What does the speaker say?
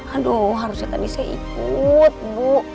aduh harusnya tadi saya ikut bu